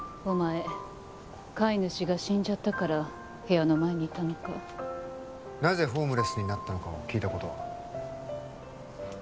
お前飼い主が死んじゃったから部屋の前にいたのかなぜホームレスになったのかを聞いたことは？